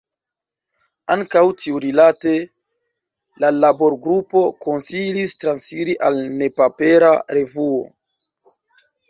Ankaŭ tiurilate la labor-grupo konsilis transiri al nepapera revuo.